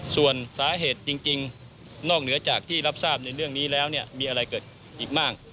ส่วนสาเหตุจริงนอกเหนือจากที่รับทราบในเรื่องนี้แล้วเนี่ยมีอะไรเกิดอีกบ้าง